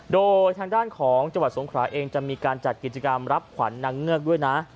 โดยทางด้านของจังหวัดสงขราเองจะมีการจัดกิจกรรมรับขวัญนางเงือกด้วยนะ